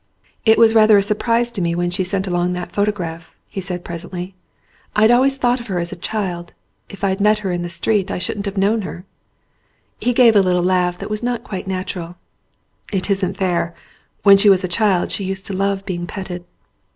"It was rather a surprise to me when she sent along that photograph," he said presently. "I'd always thought of her as a child. If I'd met her in the street I shouldn't have known her." He gave a little laugh that was not quite natu ral. "It isn't fair. ... When she was a child she used to love being petted."